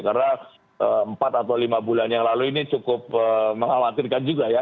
karena empat atau lima bulan yang lalu ini cukup mengkhawatirkan juga ya